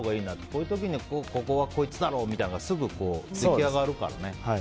こういう時のここはこいつだろう！みたいなのができあがるからね。